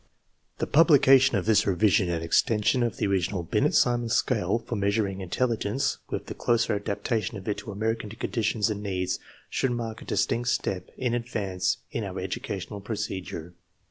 The publication of this revision and extension of the original Binet Simon scale for measuring intelligence, with the closer adaptation of it to American conditions and needs, should mark a distinct step in advance in our educational procedure.